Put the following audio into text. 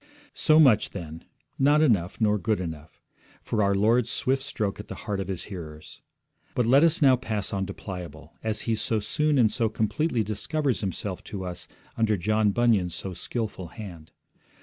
So much, then, not enough, nor good enough for our Lord's swift stroke at the heart of His hearers. But let us now pass on to Pliable, as he so soon and so completely discovers himself to us under John Bunyan's so skilful hand.